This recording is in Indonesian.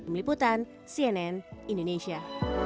meliputan cnn indonesia